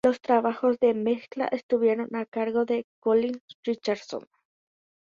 Los trabajos de mezcla estuvieron a cargo de Colin Richardson.